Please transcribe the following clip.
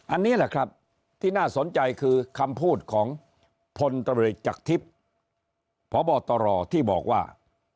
อันนี้แหละครับที่น่าสนใจคือคำพูดของพลตำรวจจากทิพย์พบตรที่บอกว่า